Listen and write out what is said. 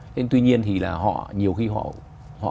thế nhưng tuy nhiên thì là họ nhiều khi họ